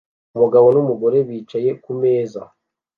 Umugabo n'umugore bicaye kumeza